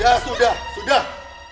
sudah sudah sudah